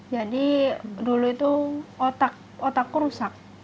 jadi dulu itu otakku rusak